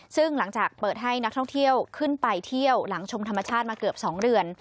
ซึ่งหลังจากเปิดให้นักท่องเที่ยวขึ้นไปเที่ยวหลังชมธรรมชาติมาเกือบ๒เดือน